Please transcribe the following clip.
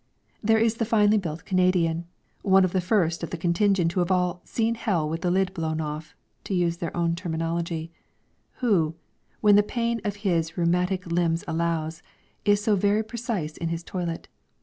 There is the finely built Canadian one of the first contingent who have all "seen hell with the lid off," to use their own terminology who, when the pain of his rheumatic limbs allows, is so very precise in his toilet.